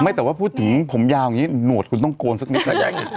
แต่ว่าพูดถึงผมยาวอย่างนี้หนวดคุณต้องโกนสักนิดนะ